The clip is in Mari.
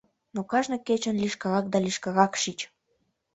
Но кажне кечын лишкырак да лишкырак шич...